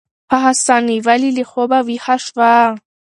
هغه ساه نیولې له خوبه ویښه شوه.